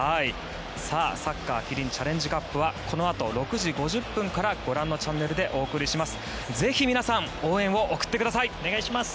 サッカーキリンチャレンジカップはこのあと６時５０分からご覧のチャンネルでお送りします。